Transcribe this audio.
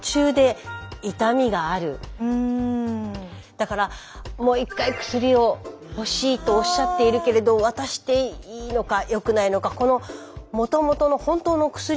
だからもう一回薬を欲しいとおっしゃっているけれど渡していいのかよくないのか。